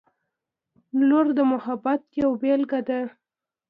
• لور د محبت یوه بېلګه ده.